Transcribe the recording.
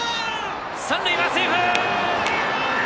三塁はセーフ！